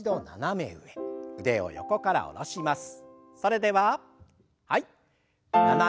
腕を下ろします。